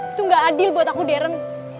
itu gak adil buat aku deren